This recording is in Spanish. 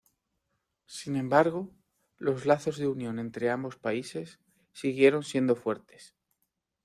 Sin embargo, los lazos de unión entre ambos países siguieron siendo fuertes.